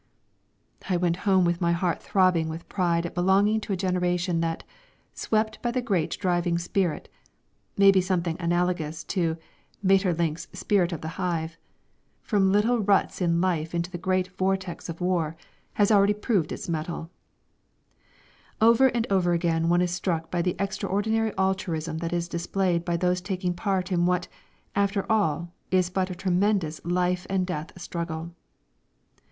I went home with a heart throbbing with pride at belonging to a generation that, swept by the great driving spirit (maybe something analogous to Maeterlinck's "Spirit of the Hive") from little ruts in life into the great vortex of war, has already proved its metal. Over and over again one is struck by the extraordinary altruism that is displayed by those taking part in what, after all, is but a tremendous life and death struggle.